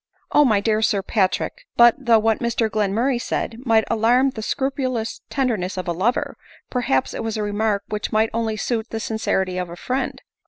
"Oh! my dear Sir Patrick! But though what Mr Glenmurray said might alarm the scrupulous tenderness of a lover, perhaps it was a remark which might only suit the sincerity of a friend.